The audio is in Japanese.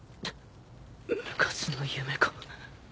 昔の夢か。